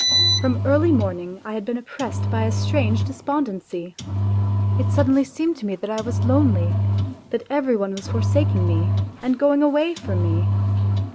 From early morning I had been oppressed by a strange despondency. It suddenly seemed to me that I was lonely, that every one was forsaking me and going away from me.